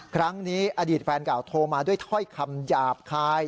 อดีตแฟนเก่าโทรมาด้วยถ้อยคำหยาบคาย